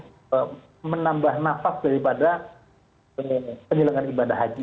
untuk menambah nafas daripada penyelenggaran ibadah haji